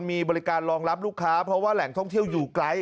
มีบริการรองรับลูกค้าเพราะว่าแหล่งท่องเที่ยวอยู่ไกล